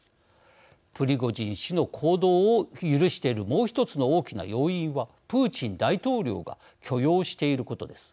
プリゴジン氏の行動を許しているもう一つの大きな要因はプーチン大統領が許容していることです。